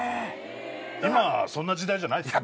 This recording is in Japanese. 今そんな時代じゃないっすよ。